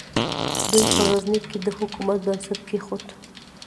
دوی په غزني کې د حکومت بنسټ کېښود.